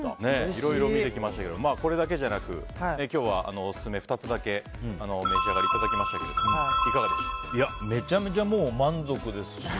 いろいろ見てきましたけどこれだけじゃなく今日はオススメを２つだけお召し上がりいただきましたがめちゃめちゃ満足ですし。